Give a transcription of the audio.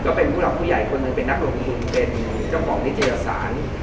ก็เป็นผู้หลังผู้ใหญ่หนึ่งเป็นนักโรงทีเป็นเจ้าคนิยธิสาร